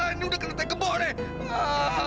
ini udah kena teh keboh nih